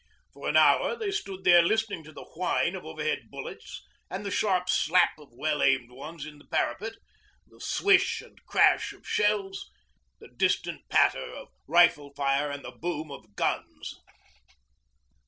For an hour they stood there listening to the whine of overhead bullets and the sharp 'slap' of well aimed ones in the parapet, the swish and crash of shells, the distant patter of rifle fire and the boom of the guns.